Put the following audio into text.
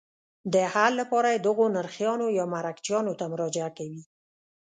د حل لپاره یې دغو نرخیانو یا مرکچیانو ته مراجعه کوي.